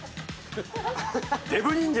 デブ人間。